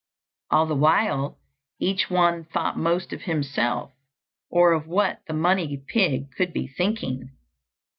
All the while, each one thought most of himself, or of what the money pig could be thinking.